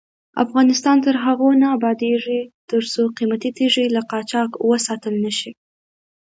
افغانستان تر هغو نه ابادیږي، ترڅو قیمتي تیږې له قاچاق وساتل نشي.